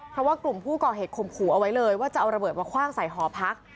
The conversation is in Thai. เพราะว่ากลุ่มผู้ก่อเหตุข่มขู่เอาไว้เลยว่าจะเอาระเบิดมาคว่างใส่หอพัก